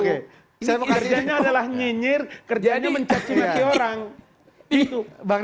kerjanya adalah nyinyir kerjanya mencaci naci orang